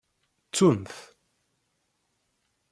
Ttun-t.